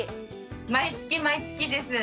毎月毎月です。